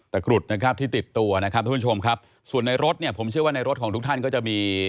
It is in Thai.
กรุดนะครับที่ติดตัวนะครับทุกผู้ชมครับส่วนในรถเนี่ยผมเชื่อว่าในรถของทุกท่านก็จะมี